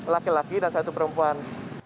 laki laki dan satu perempuan